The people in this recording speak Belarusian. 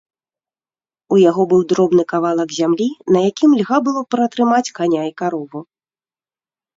У яго быў дробны кавалак зямлі, на якім льга было пратрымаць каня і карову.